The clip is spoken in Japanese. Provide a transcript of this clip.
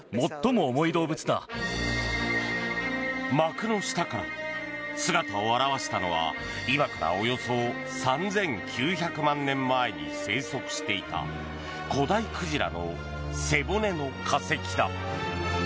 幕の下から姿を現したのは今からおよそ３９００万年前に生息していた古代鯨の背骨の化石だ。